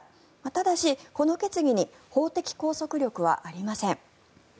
ただし、この決議に法的拘束力はありません。